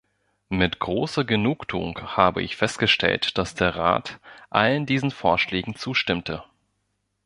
Mit großer Genugtuung habe ich festgestellt, dass der Rat allen diesen Vorschlägen zustimmte.